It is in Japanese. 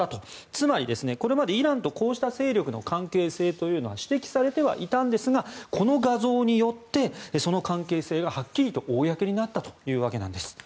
つまり、これまでイランとこうした勢力の関係性というのは指摘されてはいたんですがこの画像によってその関係性が、はっきりと公になったというわけです。